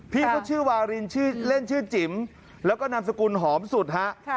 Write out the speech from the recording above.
พี่เขาชื่อวารินชื่อเล่นชื่อจิ๋มแล้วก็นามสกุลหอมสุดฮะ